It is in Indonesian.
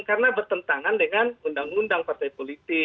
karena bertentangan dengan undang undang partai politik